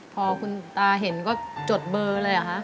พอคุณตาเห็นก็จดเบอร์เลยเหรอคะ